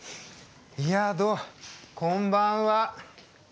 いやどうもこんばんは。